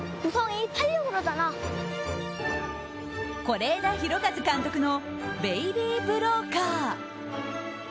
是枝裕和監督の「ベイビー・ブローカー」。